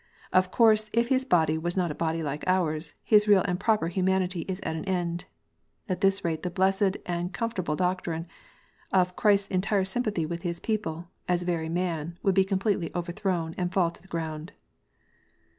Of course if His body was not a body like ours, His real and proper humanity is at an end. At this rate the blessed and comfort able doctrine of Christ s entire sympathy with His people, as very man, would be completely overthrown, and fall to the ground.